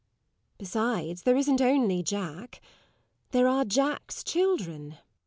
Because there isn't only Jack there are Jack's children.